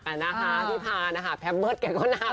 พี่พานะฮะแพมเบิร์ดแกก็หนัก